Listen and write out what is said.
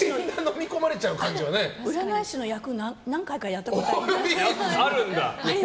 占い師の役何回かやったことあります。